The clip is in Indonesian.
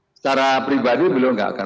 secara pribadi beliau nggak akan